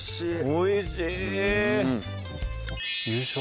おいしい！